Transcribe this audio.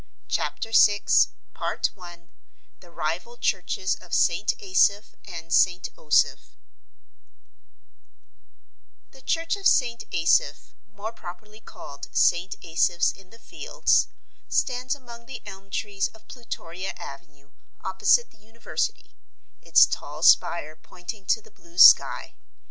CHAPTER SIX: The Rival Churches of St. Asaph and St. Osoph The church of St. Asaph, more properly call St. Asaph's in the Fields, stands among the elm trees of Plutoria Avenue opposite the university, its tall spire pointing to the blue sky.